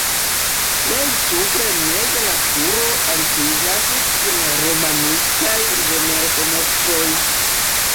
Plej supre meze la turo altiĝas kun romanikaj ĝemelfenestroj.